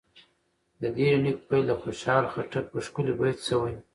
د دې يونليک پيل د خوشحال خټک په ښکلي بېت شوې